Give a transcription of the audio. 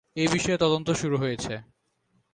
এ বিষয়ে তদন্ত শুরু হয়েছে।